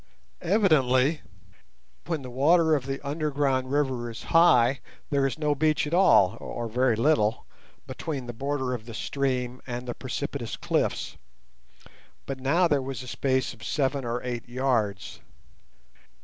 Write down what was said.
Evidently when the water of the underground river is high there is no beach at all, or very little, between the border of the stream and the precipitous cliffs; but now there was a space of seven or eight yards.